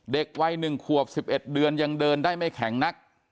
เด็กวัย๑ขวบ๑๑เดือนยังเดินได้ไม่แข็งนัก